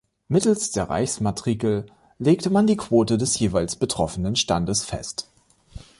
Mittels der Reichsmatrikel legte man die Quote des jeweils betroffenen Standes fest.